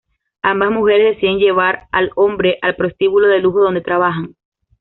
Ambas mujeres deciden llevar al hombre al prostíbulo de lujo donde trabajan.